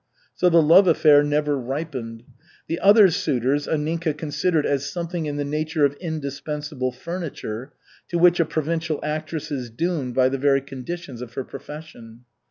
So the love affair never ripened. The other suitors Anninka considered as something in the nature of indispensable furniture, to which a provincial actress is doomed by the very conditions of her profession.